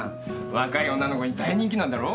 若い女の子に大人気なんだろ？